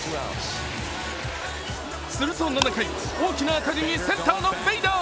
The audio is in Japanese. すると７回、大きな当たりにセンターのベイダー。